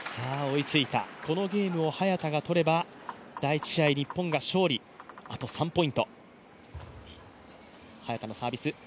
このゲームを早田が取れば第１試合、日本が勝利、あと３ポイント。